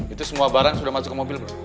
itu semua barang sudah masuk ke mobil